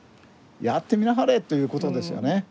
やってみなはれということですよね。